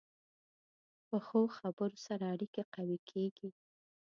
پخو خبرو سره اړیکې قوي کېږي